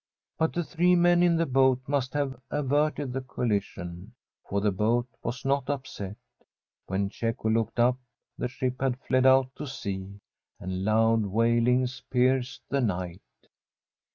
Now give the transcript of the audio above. But the three men in the boat must have averted the collision, for the boat was not upset. When Cecco looked up the ship had fled out to sea, and loud wailings pierced the night.